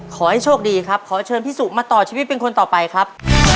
ขอให้โชคดีครับขอเชิญพี่สุมาต่อชีวิตเป็นคนต่อไปครับ